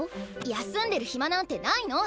休んでる暇なんてないの！